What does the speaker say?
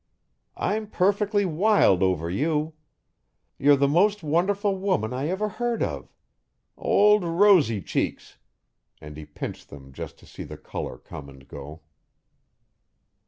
"I'm perfectly wild over you. You're the most wonderful woman I ever heard of. Old rosy cheeks!" And he pinched them just to see the colour come and go.